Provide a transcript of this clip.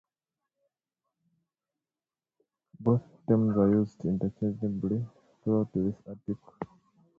Both terms are used interchangeably throughout this article.